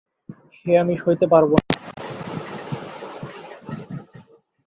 সে আমি সইতে পারব না।